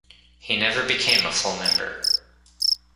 He never became a full member.